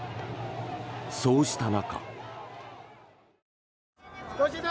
そうした中。